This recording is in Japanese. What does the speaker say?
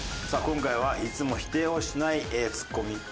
さあ今回はいつも否定をしないツッコミ。